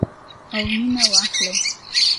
او مینه واخلئ.